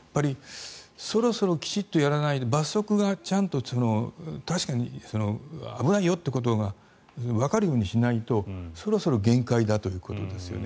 そろそろきちんとやらないと罰則がちゃんと確かに危ないよということがわかるようにしないとそろそろ限界だということですよね。